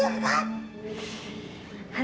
you mesti rawatan